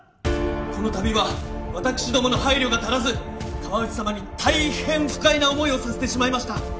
この度は私どもの配慮が足らず河内様にたいへん不快な思いをさせてしまいました。